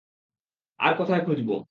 আর কোথায় খুঁজব?